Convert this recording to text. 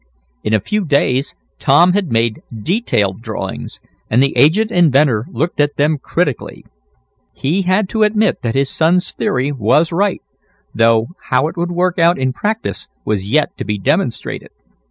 In a few days Tom had made detailed drawings, and the aged inventor looked at them critically. He had to admit that his son's theory was right, though how it would work out in practice was yet to be demonstrated.